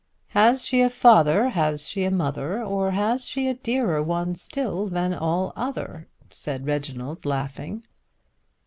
"'Has she a father, has she a mother; Or has she a dearer one still than all other?'" said Reginald laughing.